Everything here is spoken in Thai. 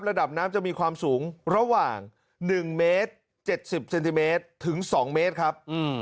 ระดับน้ำจะมีความสูงระหว่าง๑เมตร๗๐เซนติเมตรถึง๒เมตรครับ